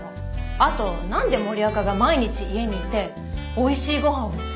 あと何で森若が毎日家にいておいしいごはんを作るの前提？